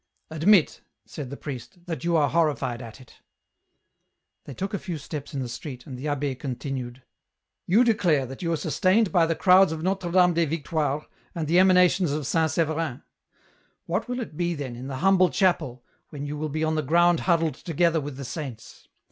" Admit," said the priest, " that you are horrified at it," They took a few steps in the street, and the abbd con tinued, —" You declare that you are sustained by the crowds of Notre Dame des Victoires and the emanations of St. Severin. What will it be then, in the humble chapel, when you will be on the ground huddled together with the saints